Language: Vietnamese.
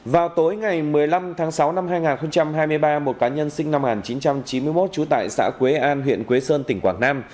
vào tối ngày một mươi năm tháng sáu năm hai nghìn hai mươi ba một cá nhân sinh năm một nghìn chín trăm chín mươi một trú tại xã quế an huyện quế sơn tỉnh quảng nam